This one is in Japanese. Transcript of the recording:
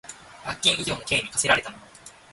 罰金以上の刑に処せられた者